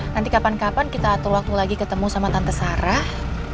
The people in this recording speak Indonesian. nanti kapan kapan kita atur waktu lagi ketemu sama tante sarah